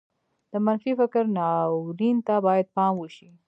د منفي فکر ناورين ته بايد پام وشي.